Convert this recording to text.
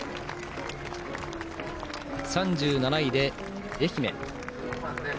３７位で、愛媛。